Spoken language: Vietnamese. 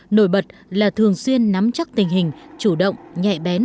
nổi bật là thường xuyên nắm chắc tình hình chủ động nhẹ bén